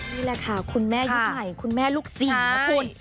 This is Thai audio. นี่แหละค่ะคุณแม่ยุคใหม่คุณแม่ลูกสี่นะคุณ